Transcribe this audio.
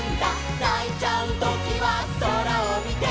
「ないちゃうときはそらをみて」